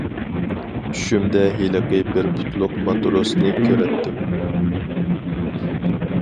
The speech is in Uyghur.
چۈشۈمدە ھېلىقى بىر پۇتلۇق ماتروسنى كۆرەتتىم.